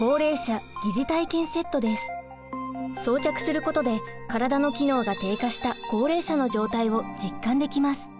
装着することで体の機能が低下した高齢者の状態を実感できます。